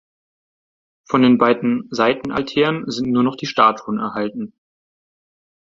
Von den beiden Seitenaltären sind nur noch die Statuen erhalten.